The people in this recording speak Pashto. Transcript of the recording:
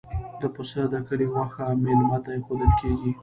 د پسه د کلي غوښه میلمه ته ایښودل کیږي.